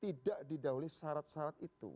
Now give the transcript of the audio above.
tidak didahului syarat syarat itu